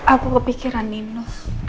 aku kepikiran nino